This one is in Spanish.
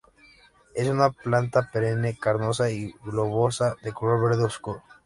Es una planta perenne carnosa y globosa, de color verde obscuro.